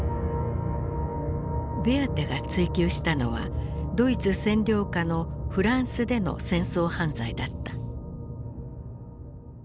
ベアテが追及したのはドイツ占領下のフランスでの戦争犯罪だった。